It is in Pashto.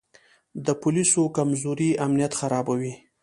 د پولیسو کمزوري امنیت خرابوي.